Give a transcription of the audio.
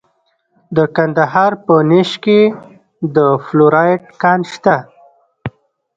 د کندهار په نیش کې د فلورایټ کان شته.